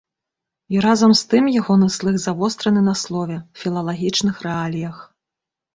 І разам з тым ягоны слых завостраны на слове, філалагічных рэаліях.